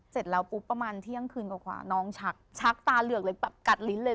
เสร็จแล้วปุ๊บประมาณเที่ยงคืนกว่าน้องชักชักตาเหลือกเลยแบบกัดลิ้นเลย